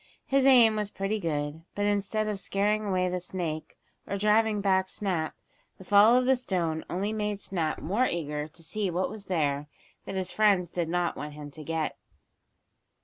His aim was pretty good, but instead of scaring away the snake, or driving back Snap, the fall of the stone only made Snap more eager to see what was there that his friends did not want him to get.